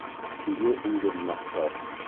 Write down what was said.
Тиле үҙен маҡтар.